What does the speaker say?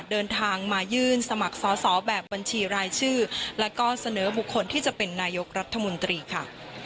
เดินทางมายื่นสมัครสอสอแบบบัญชีรายชื่อแล้วก็เสนอบุคคลที่จะเป็นนายกรัฐมนตรีค่ะ